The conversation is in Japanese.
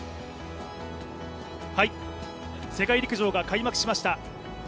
世界陸上が開幕しました。